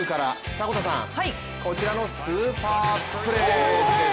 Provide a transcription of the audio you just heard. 迫田さん、こちらのスーパープレーです。